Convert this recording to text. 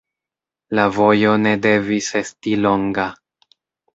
La vojo ne devis esti longa.